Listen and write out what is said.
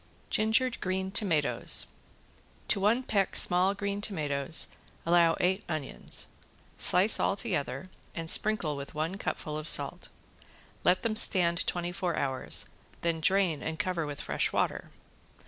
~GINGERED GREEN TOMATOES~ To one peck small green tomatoes allow eight onions. Slice all together and sprinkle with one cupful of salt. Let them stand twenty four hours, then drain and cover with fresh water.